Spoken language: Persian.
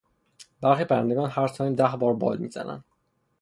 برخی پرندگان هر ثانیه ده بار بال میزنند.